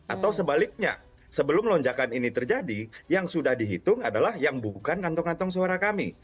atau sebaliknya sebelum lonjakan ini terjadi yang sudah dihitung adalah yang bukan kantong kantong suara kami